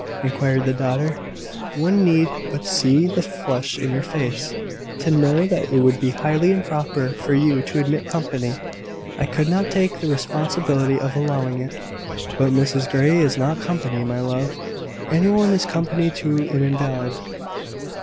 inquired the daughter. "One need but see the flush in your face, to know that it would be highly improper for you to admit company. I could not take the responsibility of allowing it." "But Mrs Grey is not company, my love." "Any one is company to an invalid.